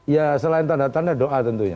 ya selain tanda tanda doa tentunya